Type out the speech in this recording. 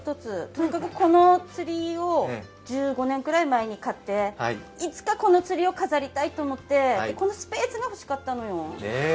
とにかくこのツリーを１５年ぐらい前に買って、いつかこのツリーを飾りたいと思って、このスペースが欲しかったのよ。